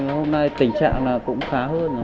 hôm nay tình trạng là cũng khá hơn